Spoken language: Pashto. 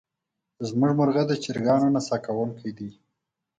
زمونږ مرغه د چرګانو نڅا کوونکې دی.